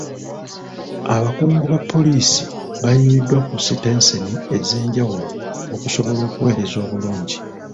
Abakungu ba poliisi bayiiriddwa ku sitenseni ez'enjawulo okusobola okuweereza obulungi.